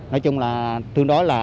nói chung là tương đối là